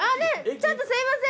ちょっとすいません。